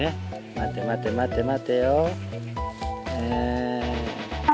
待て待て待て待てよ。